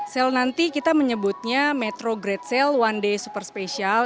sale nanti kita menyebutnya metro great sale one day super special